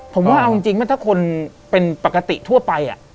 ผมว่าเอาจริงถ้าคนเป็นปกติทั่วไป